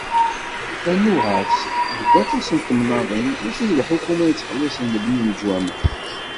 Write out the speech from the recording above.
Rnu ɣer-s, deg waṭas n temnaḍin, mačči d lḥukuma i yettxellisen lebni n leǧwamaɛ.